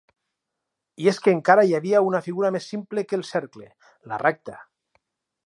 I és que encara hi havia una figura més simple que el cercle: la recta.